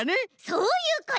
そういうこと！